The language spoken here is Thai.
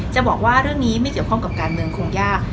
จะบอกว่าเรื่องนี้ไม่เกี่ยวข้องกับการเมืองคงยาก